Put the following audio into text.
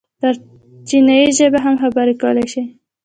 پر چينايي ژبې هم خبرې کولی شي.